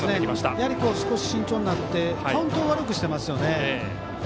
やはり少し慎重になってカウントを悪くしていますよね。